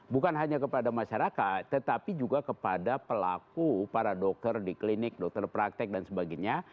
bukan hanya kepada masyarakat tetapi juga kepada pelaku para dokter di klinik dokter praktek dan sebagainya